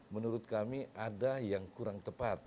menurut kami ada yang kurang tepat